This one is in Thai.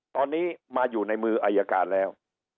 ตอนนี้มาอยู่ในมืออายการแล้ว